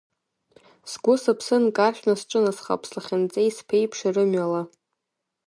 Сгәы-сыԥсы нкаршәны сҿынасхап, слахьынҵеи сԥеиԥши рымҩала…